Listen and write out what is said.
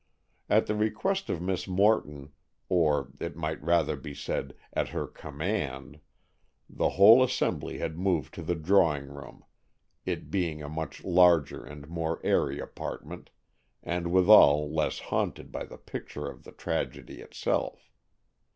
At the request of Miss Morton, or, it might rather be said, at her command, the whole assembly had moved to the drawing room, it being a much larger and more airy apartment, and withal less haunted by the picture of the tragedy itself.